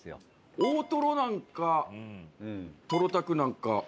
大トロなんかとろたくなんか。